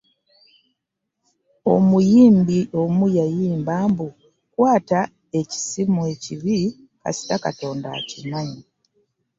Omuyimbi omu yayimba mbu; "kwata ekisimu ekibi kasita Katonda akimanyi."